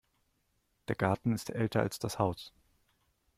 Der Garten ist älter als das Haus.